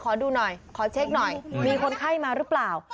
ขอดูหน่อยขอเช็คหน่อยมีคนไข้มาหรือเปล่า